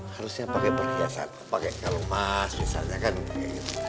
harusnya pakai perhiasan pakai kalung emas misalnya kan kayak gitu